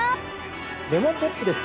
レモンポップです。